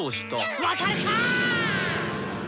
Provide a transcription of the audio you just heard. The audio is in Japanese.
分かるか！